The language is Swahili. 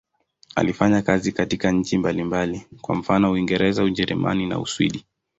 Alifanya kazi katika nchi mbalimbali, kwa mfano Uingereza, Ujerumani na Uswidi.